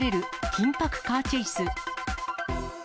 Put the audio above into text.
緊迫カーチェイス。